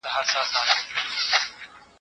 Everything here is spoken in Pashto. او د هغې په اړه پوهه.